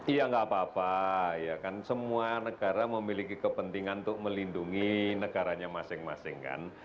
iya nggak apa apa ya kan semua negara memiliki kepentingan untuk melindungi negaranya masing masing kan